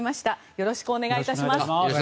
よろしくお願いします。